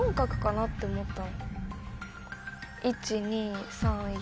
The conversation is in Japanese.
１・２・３・４。